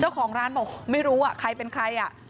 เจ้าของร้านไม่รู้เป็นใคร